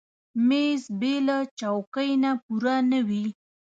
مېز بېله چوکۍ نه پوره نه وي.